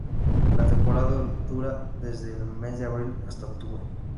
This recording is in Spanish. La temporada dura desde el mes de abril hasta octubre.